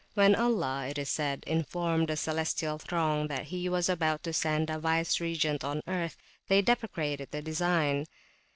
When Allah, it is said, informed the celestial throng that he was about to send a vice regent on earth, they deprecated the design.